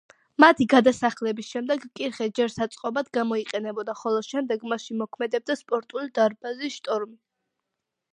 მათი გადასახლების შემდეგ კირხე ჯერ საწყობად გამოიყენებოდა, ხოლო შემდეგ მასში მოქმედებდა სპორტული დარბაზი „შტორმი“.